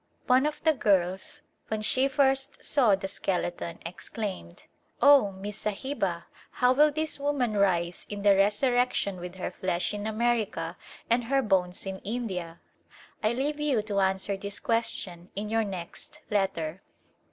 One of the girls when she first saw the skeleton, exclaimed, " Oh, Miss Sahiba, how will this woman rise in the resurrection with her flesh in America and her bones in India ?" I leave you to answer this question in your next letter.